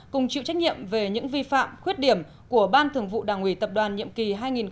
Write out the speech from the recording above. cùng chịu trách nhiệm về những vi phạm khuyết điểm của ban thường vụ đảng ủy tập đoàn nhiệm kỳ hai nghìn một mươi hai nghìn một mươi năm